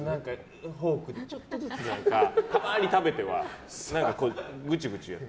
フォークでちょっとずつたまに食べてはぐちゅぐちゅやって。